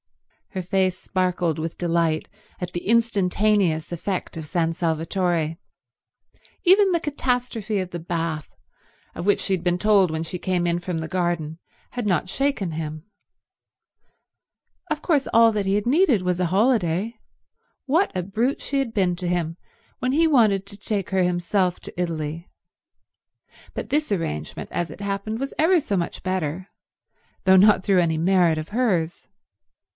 Her face sparkled with delight at the instantaneous effect of San Salvatore. Even the catastrophe of the bath, of which she had been told when she came in from the garden, had not shaken him. Of course all that he had needed was a holiday. What a brute she had been to him when he wanted to take her himself to Italy. But this arrangement, as it happened, was ever so much better, though not through any merit of hers.